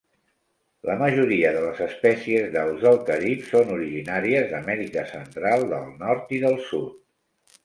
La majoria de les espècies d'aus del Carib són originàries d'Amèrica Central, del Nord i del Sud.